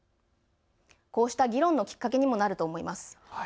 こうした議論のきっかけにもなると思います。